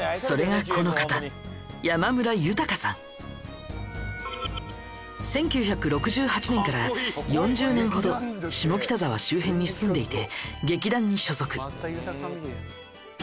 それがこの方１９６８年から４０年ほど下北沢周辺に住んでいて劇団に所属。